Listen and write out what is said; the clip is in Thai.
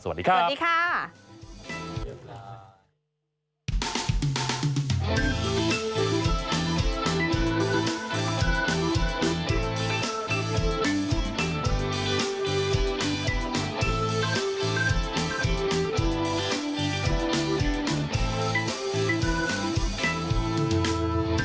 สวัสดีครับ